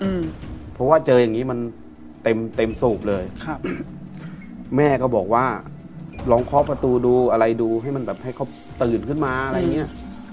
อืมเพราะว่าเจออย่างงี้มันเต็มเต็มสูบเลยครับแม่ก็บอกว่าลองเคาะประตูดูอะไรดูให้มันแบบให้เขาตื่นขึ้นมาอะไรอย่างเงี้ย